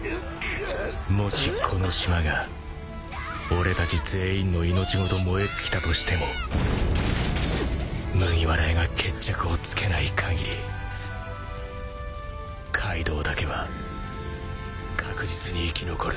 もしこの島が俺たち全員の命ごと燃え尽きたとしても麦わら屋が決着をつけないかぎりカイドウだけは確実に生き残る。